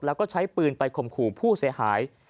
แล้วก็ใช้ปืนไปข่มขู่ผู้เสียหาย